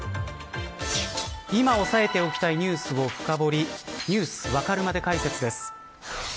今押さえておきたいニュースを深掘りニュースわかるまで解説です。